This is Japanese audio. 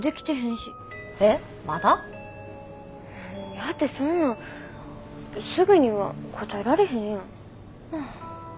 やってそんなんすぐには答えられへんやん。